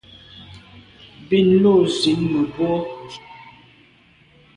Bin lo zin mebwô.